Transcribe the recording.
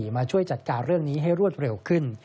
มาช่วยจัดการเรื่องนี้ให้รวดเร็วขึ้น